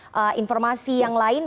ada informasi yang lain